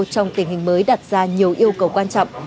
trong tình hình mới đặt ra nhiều yêu cầu quan trọng